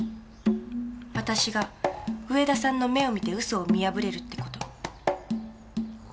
私が上田さんの目を見て嘘を見破れるって事。